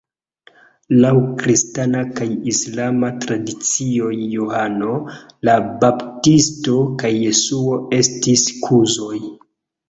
Laŭ kristana kaj islama tradicioj Johano la Baptisto kaj Jesuo estis kuzoj.